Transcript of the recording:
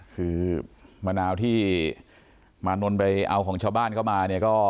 คือมะนาวที่มานนท์ไปเอาของช่าบ้านกันมา